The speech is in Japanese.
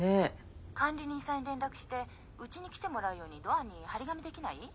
☎管理人さんに連絡してうちに来てもらうようにドアに貼り紙できない？